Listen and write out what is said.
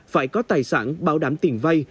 phải có tài sản bảo đảm tiền vay